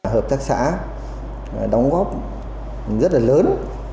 hợp tác xã đóng góp rất là lớn